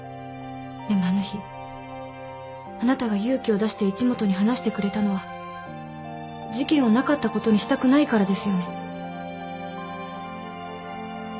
でもあの日あなたが勇気を出して一本に話してくれたのは事件をなかったことにしたくないからですよね？